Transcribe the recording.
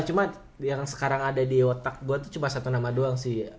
cuma yang sekarang ada di otak gue tuh cuma satu nama doang sih